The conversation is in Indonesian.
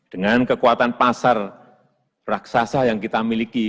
dengan kekuatan pasar raksasa yang kita miliki